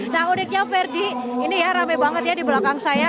nah uniknya verdi ini ya rame banget ya di belakang saya